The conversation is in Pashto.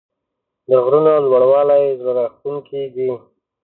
د غرونو لوړوالی زړه راښکونکی دی.